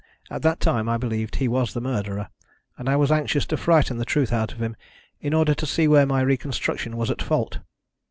At that time I believed he was the murderer, and I was anxious to frighten the truth out of him in order to see where my reconstruction was at fault.